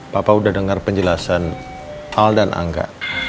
papa sudah dengar penjelasan al dan angga